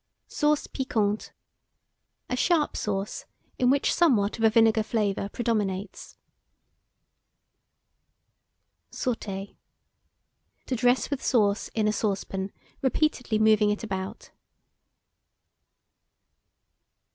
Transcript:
SAUCE PIQUANTE. A sharp sauce, in which somewhat of a vinegar flavour predominates. SAUTER. To dress with sauce in a saucepan, repeatedly moving it about.